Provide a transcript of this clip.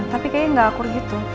tapi kayaknya nggak akur gitu